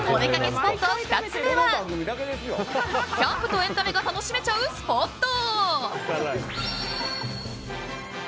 スポット２つ目はキャンプとエンタメが楽しめちゃうスポット。